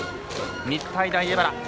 日体大荏原。